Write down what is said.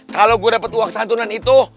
kalau gue dapat uang santunan itu